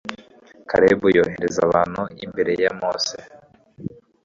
kalebu yohereza abantu imbere ya mose